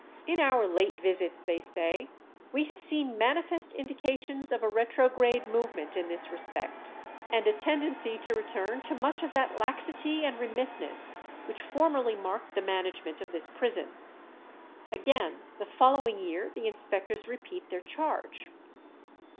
"In our late visits," they say, "we have seen manifest indications of a retrograde movement in this respect, and a tendency to return to much of that laxity and remissness which formerly marked the management of this prison." Again the following year the inspectors repeat their charge.